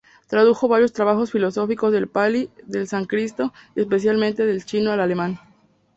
Tradujo varios trabajos filosóficos del Pali, del Sánscrito, y especialmente del Chino al Alemán.